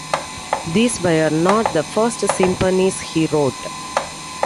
These were not the first symphonies he wrote.